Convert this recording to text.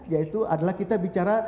yaitu adalah kita bicara